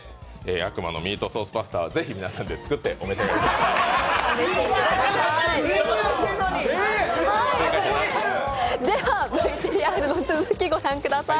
悪魔のミートソースパスタはぜひ皆さんで作ってお召し上がりください。